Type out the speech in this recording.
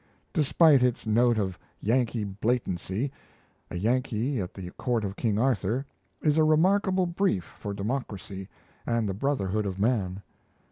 Despite its note of Yankee blatancy, 'A Yankee at the Court of King Arthur' is a remarkable brief for democracy and the brotherhood of man.